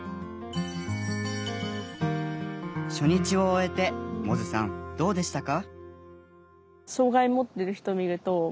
初日を終えて百舌さんどうでしたか？